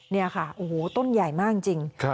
นี่ค่ะโอ้โหต้นใหญ่มากจริง